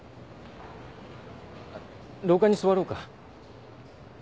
廊下に座ろうか。